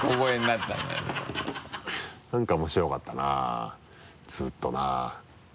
なんか面白かったなずっとな。